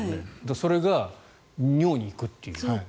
それが尿に行くという。